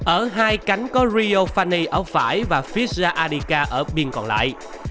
ở hai cánh có rio fani ở phải và fija adika ở bên còn lại